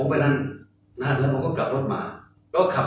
หรือที่กาแรงไม่ได้ออกหรือสิบ